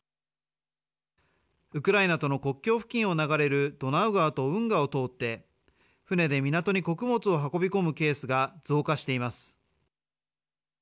ウクライナとの国境付近を流れるドナウ川と運河を通って船で港に穀物を運び込むケースが増加しています。